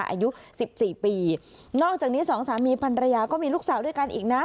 อายุสิบสี่ปีนอกจากนี้สองสามีพันรยาก็มีลูกสาวด้วยกันอีกนะ